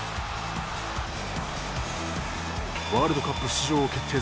ワールドカップ出場を決定